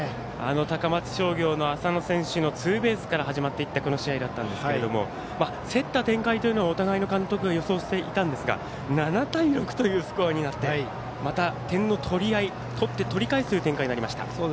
高松商業の浅野選手のツーベースから始まったこの試合だったんですけども競った展開というのはお互いの監督が予想していたんですが７対６というスコアになってまた、点の取り合い取って取り返す展開になりました。